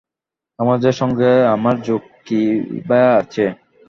সমাজের সঙ্গে আমার যোগ কীই বা আছে?